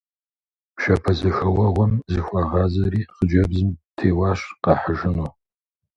Пшапэзэхэуэгъуэм зыхуагъазэри хъыджэбзым теуащ къахьыжыну.